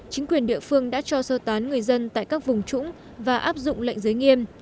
chính quyền địa phương đã cho sơ tán người dân tại các vùng trũng và áp dụng lệnh giới nghiêm